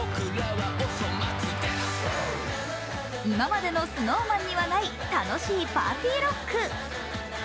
今までのＳｎｏｗＭａｎにはない楽しいパーティーロック。